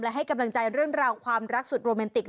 ให้กำลังใจเรื่องราวความรักสุดโรแมนติก